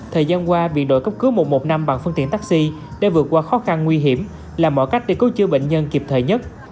thời gian qua việc đội cấp cứu một trăm một mươi năm bằng phương tiện taxi đã vượt qua khó khăn nguy hiểm làm mọi cách để cứu chữa bệnh nhân kịp thời nhất